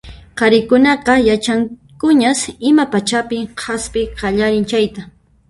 Qharikunaqa yachankuñas ima pachapin hasp'iy qallarin chayta.